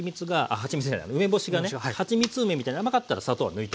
はちみつ梅みたいに甘かったら砂糖は抜いてもいいですよ。